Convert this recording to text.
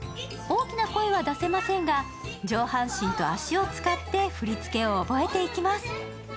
大きな声は出せませんが上半身と足を使って振り付けを覚えていきます。